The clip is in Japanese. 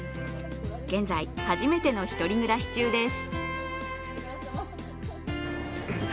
現在初めての１人暮らし中です。